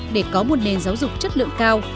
để có một nền giáo dục chất lượng cao